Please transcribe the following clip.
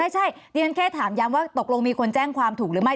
ใช่ดิฉันแค่ถามย้ำว่าตกลงมีคนแจ้งความถูกหรือไม่